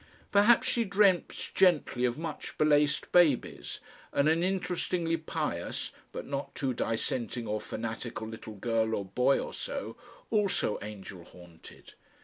Perhaps she dreamt gently of much belaced babies and an interestingly pious (but not too dissenting or fanatical) little girl or boy or so, also angel haunted.